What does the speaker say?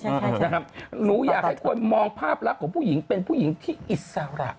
หนูอยากให้คนมองภาพรักของผู้หญิงเป็นผู้หญิงที่อิสระ